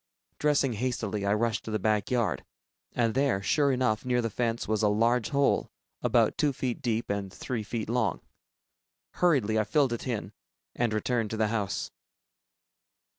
Dressing hastily, I rushed to the back yard, and there, sure enough, near the fence, was a large hole about two feet deep and three feet long. Hurriedly, I filled it in and returned to the house.